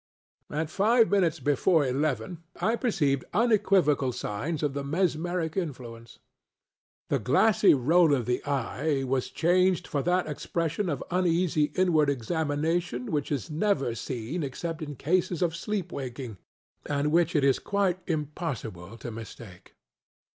At five minutes before eleven I perceived unequivocal signs of the mesmeric influence. The glassy roll of the eye was changed for that expression of uneasy inward examination which is never seen except in cases of sleep waking, and which it is quite impossible to mistake.